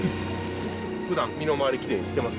ふだん、身の回りきれいにしてます？